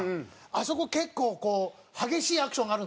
あそこ結構激しいアクションがあるんですよ